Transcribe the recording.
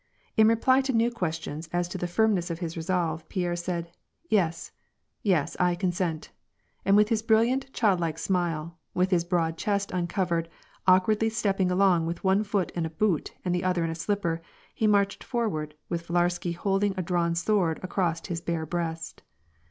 In replv to new questions as to the firmness of his resolve, Pierre said, " Yes, yes, I consent," and with his brilliant, childlike smile, with his broad chest uncovered, awkwardly stepping along with one foot in a boot and the other in a slipper, he marched forward, with Villarsky holding a drawn sword across his bare breast.